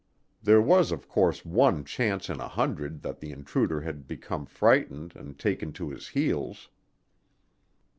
There was of course one chance in a hundred that the intruder had become frightened and taken to his heels.